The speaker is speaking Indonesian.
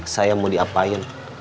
saya mau diapain